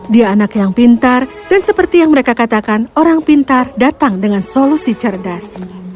dia anak yang pintar dan seperti yang mereka katakan orang pintar datang dengan solusi cerdas